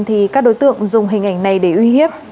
thì các đối tượng dùng hình ảnh này để uy hiếp